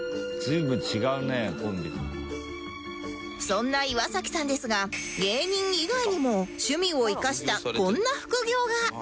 そんな岩崎さんですが芸人以外にも趣味を生かしたこんな副業が